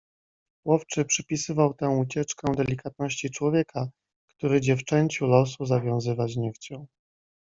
"Łowczy przypisywał tę ucieczkę delikatności człowieka, który dziewczęciu losu zawiązywać nie chciał."